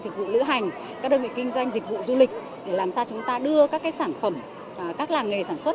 dịch vụ lữ hành các đơn vị kinh doanh dịch vụ du lịch để làm sao chúng ta đưa các cái sản phẩm các làng nghề sản xuất